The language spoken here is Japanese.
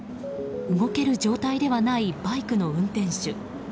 動ける状態ではないバイクの運転手。